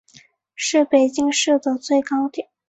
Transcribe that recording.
是北京市的最高点。